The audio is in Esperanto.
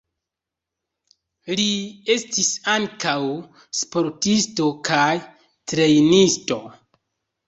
Li estis ankaŭ sportisto kaj trejnisto.